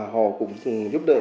họ cũng giúp đỡ